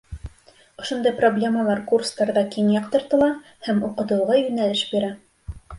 Ошондай проблемалар курстарҙа киң яҡтыртыла һәм уҡытыуға йүнәлеш бирә.